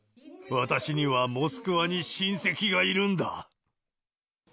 私にはモスクワに親戚がいるんだ。